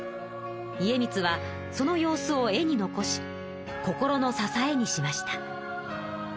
家光はその様子を絵に残し心の支えにしました。